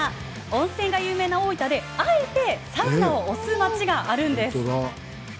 温泉が有名な大分で、あえてサウナを推す町があるんです。